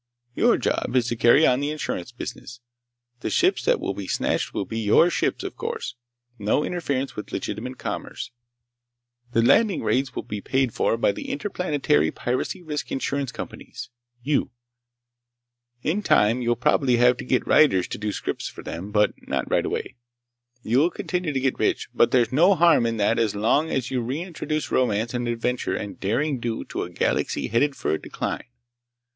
Your job is to carry on the insurance business. The ships that will be snatched will be your ships, of course. No interference with legitimate commerce. The landing raids will be paid for by the interplanetary piracy risk insurance companies—you. In time you'll probably have to get writers to do scripts for them, but not right away. You'll continue to get rich, but there's no harm in that so long as you re introduce romance and adventure and derring do to a galaxy headed for decline.